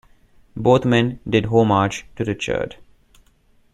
Both men did homage to Richard.